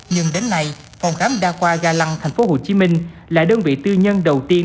nhưng đến nay phòng khám đa qua gà lăng thành phố hồ chí minh là đơn vị tư nhân đầu tiên